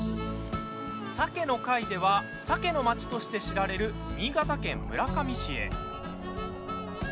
サケの回ではサケのまちとして知られる新潟県村上市へ。